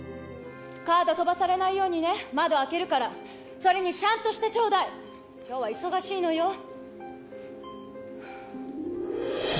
「カード飛ばされないようにね窓開けるからそれにしゃんとしてちょうだい今日は忙しいのよ」